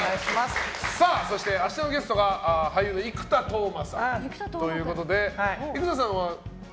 そして、明日のゲストが俳優の生田斗真さんということで生田さんは？